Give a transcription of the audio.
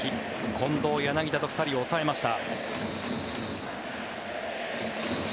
近藤、柳田と２人を抑えました。